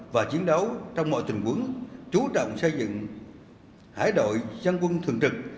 và chiến đấu trong mọi tình huống chú trọng xây dựng hải đội dân quân thường trực